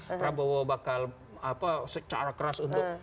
pak prabowo bakal secara keras untuk